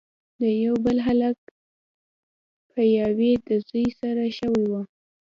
د يو بل ملک پاياوي د زوي سره شوې وه